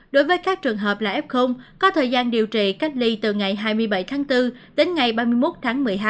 đối với các trường hợp là f có thời gian điều trị cách ly từ ngày hai mươi bảy tháng bốn đến ngày ba mươi một tháng một mươi hai